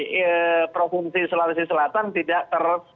hewan ternak di provinsi sulawesi selatan tidak terdampak pmk ini